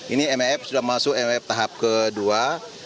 ini mef sudah masuk mef tahap kedua